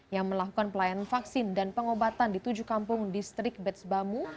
yang melakukan pelayanan vaksin dan pengobatan di tujuh kampung distrik bets bamu